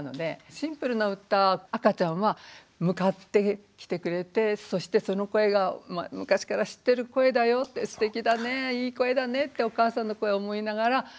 シンプルな歌赤ちゃんは向かってきてくれてそしてその声が昔から知ってる声だよってすてきだねいい声だねってお母さんの声を思いながら聞いてるわけです。